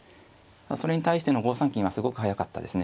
それに対しての５三金はすごく速かったですね。